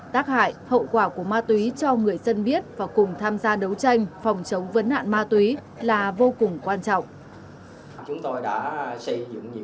tác hại hậu quả của ma túy cho người dân biết và cùng tham gia đấu tranh phòng chống vấn nạn ma túy là vô cùng quan trọng